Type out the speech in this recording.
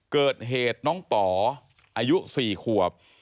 เกิดเหตุน้องป๋ออายุ๔ขวบ